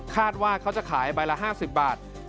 ว่าเขาจะขายใบละ๕๐บาท